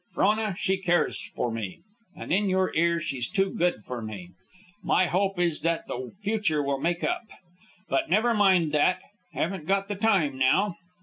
Frona, she cares for me, and in your ear, she's too good for me. My hope is that the future will make up. But never mind that haven't got the time now.